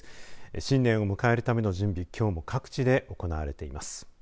新年を迎えるための準備きょうも各地で行われています。